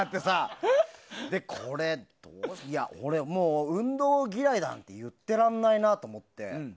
で、これ運動嫌いなんて言ってられないなと思って。